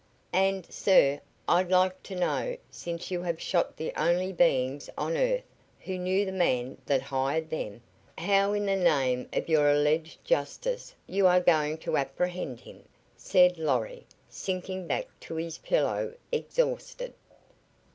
"And, sir, I'd like to know, since you have shot the only beings on earth who knew the man that hired them, how in the name of your alleged justice you are going to apprehend him?" said Lorry, sinking back to his pillow, exhausted.